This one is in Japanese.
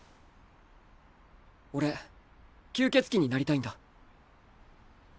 俺吸血鬼になりたいんだ。